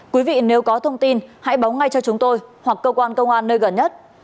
quý vị nếu có thông tin hãy báo ngay cho chúng tôi hoặc cơ quan công an nơi gần nhất